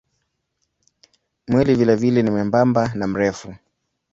Mwili vilevile ni mwembamba na mrefu.